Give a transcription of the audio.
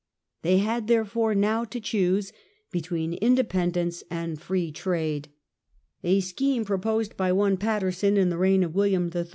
They had, therefore, now to choose between independence and free trade. A scheme proposed by one Paterson, in the reign of William III.